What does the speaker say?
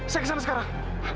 saya kesana sekarang